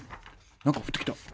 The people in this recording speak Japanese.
何か降ってきた。